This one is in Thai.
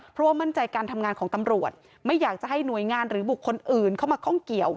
เพราะว่ามั่นใจการทำงานของตำรวจไม่อยากจะให้หน่วยงานหรือบุคคลอื่นเข้ามาข้องเกี่ยว